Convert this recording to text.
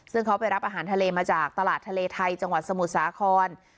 ซึ่งเขาไปรับอาหารทะเลมาจากตลาดทะเลไทยจังหวัดสมุทรสาคร